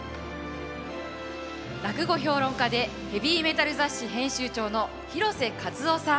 落語評論家でヘヴィ・メタル雑誌編集長の広瀬和生さん。